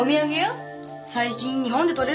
最近日本で取れるんだよ